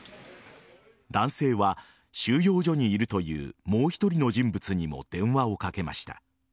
男性は収容所にいるというもう１人の人物にも電話をかけました。